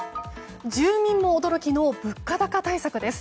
住民も驚きの物価高対策です。